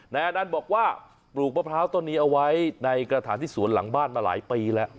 นายอนันต์บอกว่าปลูกมะพร้าวต้นนี้เอาไว้ในกระถางที่สวนหลังบ้านมาหลายปีแล้ว